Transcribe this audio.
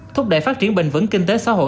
thúc đẩy phát triển bình vấn kinh tế xã hội